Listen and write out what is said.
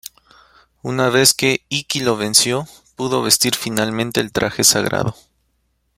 Una vez que Ikki lo venció, pudo vestir finalmente el traje sagrado.